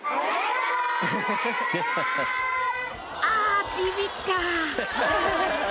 「あビビった」